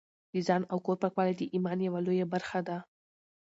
د ځان او کور پاکوالی د ایمان یوه لویه برخه ده.